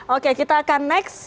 oke kita akan next